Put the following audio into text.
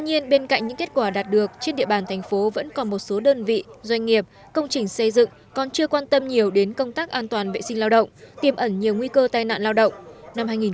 tuy nhiên bên cạnh những kết quả đạt được trên địa bàn thành phố vẫn còn một số đơn vị doanh nghiệp công trình xây dựng còn chưa quan tâm nhiều đến công tác an toàn vệ sinh lao động tiêm ẩn nhiều nguy cơ tai nạn lao động